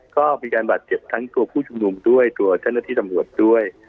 ก็มีการบัตรเสียบทั้งตัวผู้ชมนุมและทำวัดด้วย